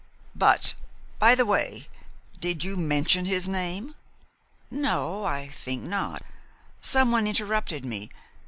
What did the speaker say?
But, by the way, did you mention his name?" "No, I think not. Someone interrupted me.